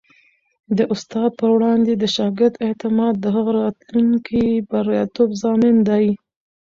د استاد پر وړاندې د شاګرد اعتماد د هغه د راتلونکي بریالیتوب ضامن دی.